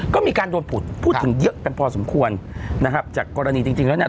ก็มีการโดนผุดพูดถึงเยอะกันพอสมควรนะครับจากกรณีจริงจริงแล้วเนี่ย